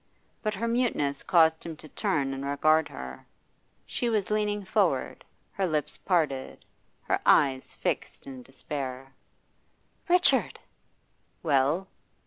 But her muteness caused him to turn and regard her. She was leaning forward, her lips parted, her eyes fixed in despair. 'Richard!' 'Well?